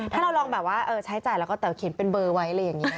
ถ้าเราลองแบบว่าใช้จ่ายแล้วก็เขียนเป็นเบอร์ไว้